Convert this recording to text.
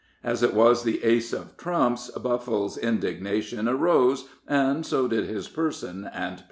As it was the ace of trumps, Buffle's indignation arose, and so did his person and pistol.